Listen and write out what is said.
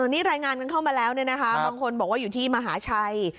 นี่รายงานกันเข้ามาแล้วเนี่ยนะคะบางคนบอกว่าอยู่ที่มหาชัย